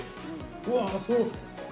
うわっ、すごい！